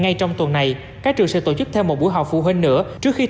ngay trong tuần này các trường sẽ tổ chức thêm một buổi học phụ huynh nữa trước khi